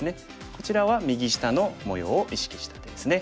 こちらは右下の模様を意識した手ですね。